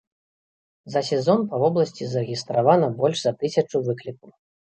За сезон па вобласці зарэгістравана больш за тысячу выклікаў.